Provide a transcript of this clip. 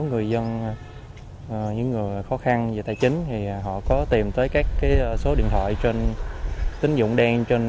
người dân những người khó khăn về tài chính thì họ có tìm tới các số điện thoại trên tín dụng đen